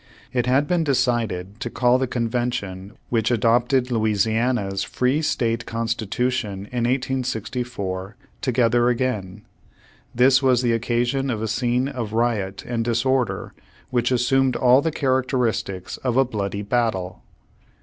It had been decided to call the con vention Vv'hich adopted Louisiana's free state con stitution in 1864, together again. This was the occasion of a scene of riot and disorder Vv^hich assumed all the characteristics of a bloody battle.